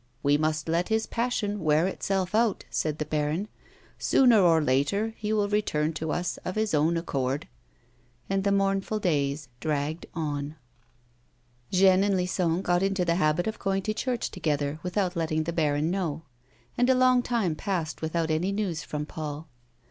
" We must let his passion wear itself out," said the baron ;*' sooner or later be will return to us of his own accord." And the mournful days dragged on. Jeanne and Lison got into the habit of going to church together without letting the baron know ; and a long time passed without any news from Paul.